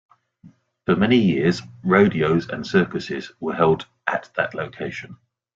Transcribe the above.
For many years, rodeos and circuses were held at that location.